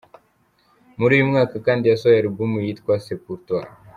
Muri uyu mwaka kandi yasohoye alubumu yitwa C’est pour toi.